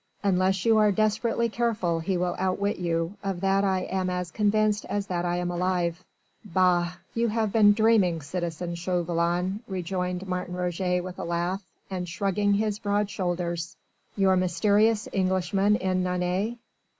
Unless you are desperately careful he will outwit you; of that I am as convinced as that I am alive." "Bah! you have been dreaming, citizen Chauvelin," rejoined Martin Roget with a laugh and shrugging his broad shoulders; "your mysterious Englishman in Nantes?